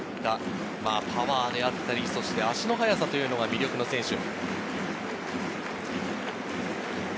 パワーであったり足の速さというのが魅力の選手。